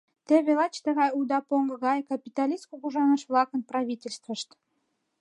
Теве лач тыгай уда поҥго гае капиталист кугыжаныш-влакын правительствышт...